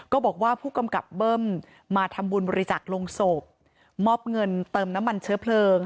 บอกว่าผู้กำกับเบิ้มมาทำบุญบริจักษ์ลงศพมอบเงินเติมน้ำมันเชื้อเพลิง